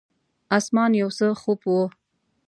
اسمان یو څه خوپ و.